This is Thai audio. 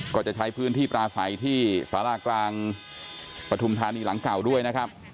ก็จะใช้พื้นที่ปลาใสที่สารากลางปฐุมธานีหลังเก่าด้วยนะครับ